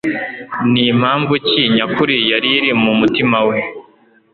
Ni mpamvu ki nyakuri yari iri mu mutima we ?